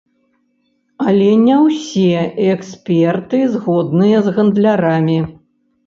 Але не ўсе эксперты згодныя з гандлярамі.